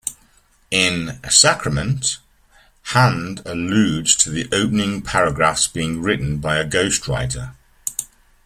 In "Sacrament", Hand alludes to the opening paragraph's being written by a ghostwriter.